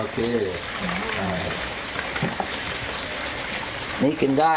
พร้อมทุกสิทธิ์